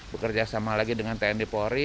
bekerja sama lagi dengan tni polri